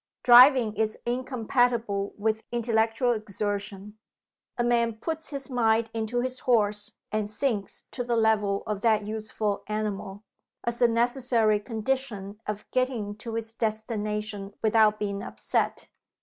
Driving is incompatible with intellectual exertion. A man puts his mind into his horse, and sinks to the level of that useful animal as a necessary condition of getting to his destination without being upset.